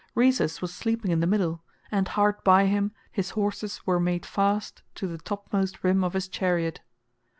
Rhesus was sleeping in the middle, and hard by him his horses were made fast to the topmost rim of his chariot.